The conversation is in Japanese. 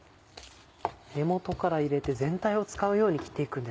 根元から入れて全体を使うように切っていくんですね。